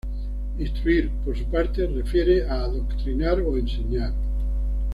Instruir, por su parte, refiere a adoctrinar o enseñar.